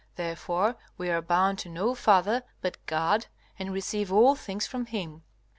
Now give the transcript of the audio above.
Therefore we are bound to no father but God, and receive all things from Him.